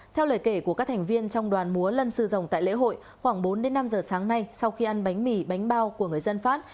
theo lời kể của các thành viên trong đoàn múa lân sư rồng tại lễ hội khoảng bốn năm giờ sáng nay sau khi ăn bánh mì bánh bao của người dân phát